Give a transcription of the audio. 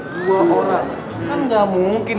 dua orang kan nggak mungkin